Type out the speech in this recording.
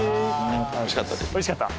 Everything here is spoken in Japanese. おいしかった。